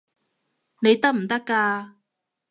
你得唔得㗎？